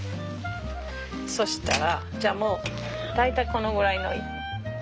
そしたらじゃあもう大体このぐらいの色。